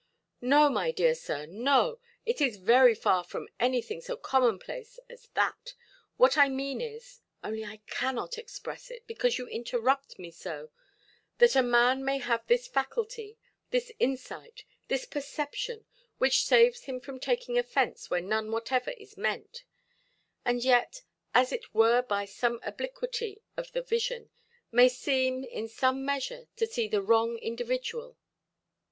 "No, my dear sir, no. It is something very far from anything so commonplace as that. What I mean is—only I cannot express it, because you interrupt me so—that a man may have this faculty, this insight, this perception, which saves him from taking offence where none whatever is meant, and yet, as it were by some obliquity of the vision, may seem, in some measure, to see the wrong individual".